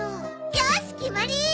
よし決まりー！